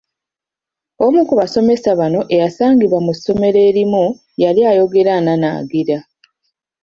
Omu ku basomesa bano eyasangibwa mu ssomero erimu yali ayogera ananaagira.